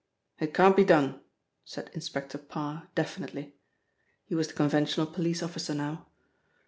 "It can't be done," said Inspector Parr definitely. He was the conventional police officer now.